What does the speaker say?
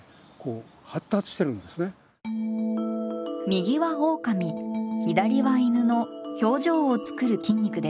右はオオカミ左は犬の表情を作る筋肉です。